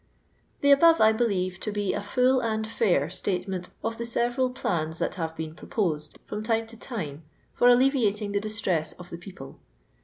The above I believe to be a full and fiur state meat of the sevecal plana that have been proposed, from time to Uaie^ fi>r alleviating the diatress of the people.